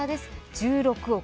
１６億。